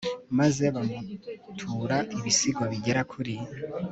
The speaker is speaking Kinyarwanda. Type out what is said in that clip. maze bamutura ibisigo bigera kuri